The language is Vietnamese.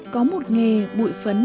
có một nghề bụi phấn